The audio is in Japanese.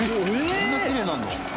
こんなきれいになるの？